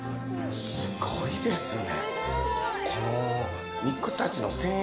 すごいですね。